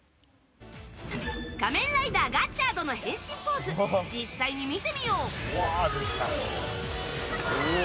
仮面ライダーガッチャードの変身ポーズ、実際に見てみよう！